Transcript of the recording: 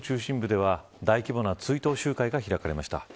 週末、ソウル中心部では大規模な追悼集会が開かれました。